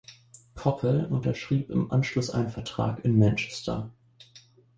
Coppell unterschrieb im Anschluss einen Vertrag in Manchester.